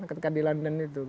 ketika di london itu